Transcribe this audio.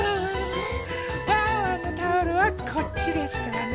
ワンワンのタオルはこっちですからね。